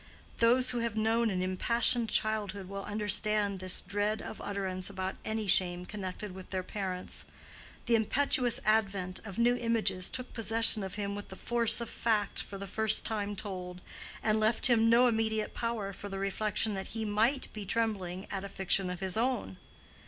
Those who have known an impassioned childhood will understand this dread of utterance about any shame connected with their parents. The impetuous advent of new images took possession of him with the force of fact for the first time told, and left him no immediate power for the reflection that he might be trembling at a fiction of his own.